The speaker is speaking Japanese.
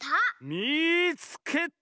「みいつけた！」。